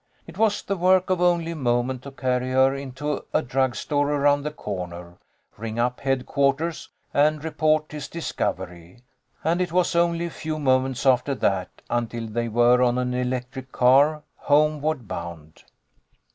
It was the work of only a moment to carry her into a drug store around the corner, ring up headquarters, and report his discovery, and it was only a few moments after that until they were on an electric car, homeward bound.